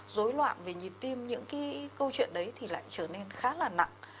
dối loạn về nhịp tim những cái câu chuyện đấy thì lại trở nên khá là nặng